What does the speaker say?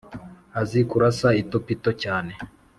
azi kurasa itopito cyane